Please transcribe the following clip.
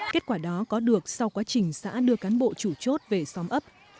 kết quả đó có được sau quá trình xã đưa cán bộ chủ chốt về xóm ấp